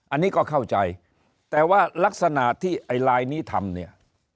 อันนี้ก็เข้าใจแต่ว่ารักษณะที่ไอ้ลายนี้ทำเนี่ย